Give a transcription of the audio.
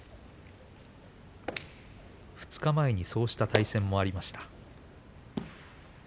２日前にそうした対戦もありました。